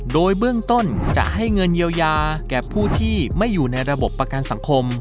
โดยเบื้องต้นจะให้เงินเยียวยาแก่ผู้ที่ไม่อยู่ในระบบประกันสังคม